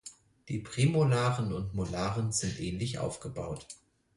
Die Prämolaren und Molaren sind ähnlich aufgebaut.